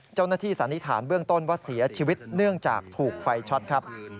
เจ้าหน้าที่สันนิษฐานเวืองต้นว่าเสียชีวิตเนื่องจากถูกไฟช็อตครับ